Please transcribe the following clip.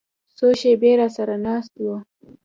څو شېبې راسره ناست و.